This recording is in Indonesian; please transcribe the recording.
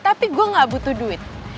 tapi gue gak butuh duit